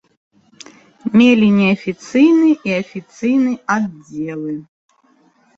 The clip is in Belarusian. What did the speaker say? Мелі неафіцыйны і афіцыйны аддзелы.